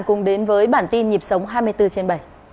quang huy rất vui được gặp lại quý vị trong nhiệp sống hai mươi bốn trên bảy